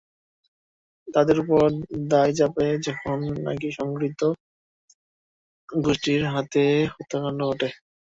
তাদের ওপর দায় চাপে যখন নাকি সংঘটিত গোষ্ঠীর হাতে হত্যাকাণ্ড ঘটে।